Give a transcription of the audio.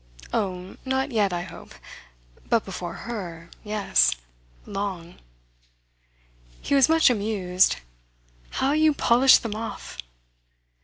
"Oh, not yet, I hope. But before her yes: long." He was much amused. "How you polish them off!"